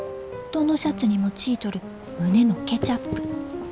どのシャツにもちいとる胸のケチャップ。